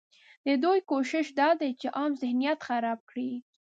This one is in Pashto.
ددوی کوشش دا دی چې عام ذهنیت خراب کړي